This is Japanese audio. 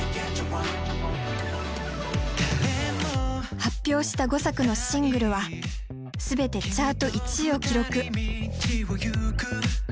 発表した５作のシングルは全てチャート１位を記録。